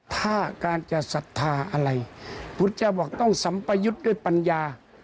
ถ้าการจะศรัทธาอะไรพุทธเจ้าบอกต้องสัมประยุทธ์ด้วยปัญญา